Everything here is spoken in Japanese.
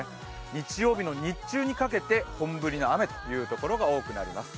日曜日の日中にかけて本降りの雨という所が多くなります。